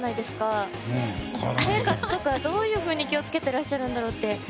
私生活とかどういうふうに気を付けていらっしゃるんだろうって。